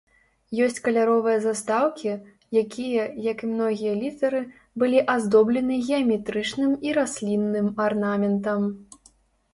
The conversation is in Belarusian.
Ёсць каляровыя застаўкі, якія, як і многія літары, былі аздоблены геаметрычным і раслінным арнаментам.